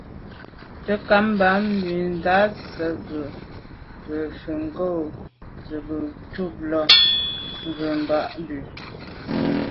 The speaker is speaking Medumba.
Te'nkam bə́ á tà' ndàp zə̄ bú nǔm fá ŋgǒngǒ zə̄ bū cûm lɑ̂' mvə̀ Ba'Bu.